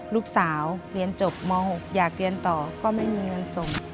ลูกสาวเรียนจบม๖อยากเรียนต่อก็ไม่มีเงินส่ง